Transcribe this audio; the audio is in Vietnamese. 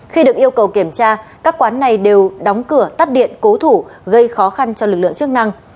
khi được yêu cầu kiểm tra các quán này đều đóng cửa tắt điện cố thủ gây khó khăn cho lực lượng chức năng